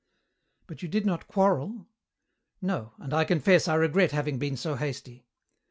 "But you did not quarrel?" "No, and I confess I regret having been so hasty."